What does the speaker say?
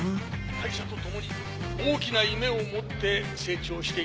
会社とともに大きな夢を持って成長して。